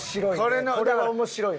これは面白い。